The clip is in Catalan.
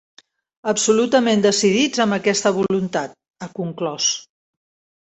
Absolutament decidits amb aquesta voluntat, ha conclòs.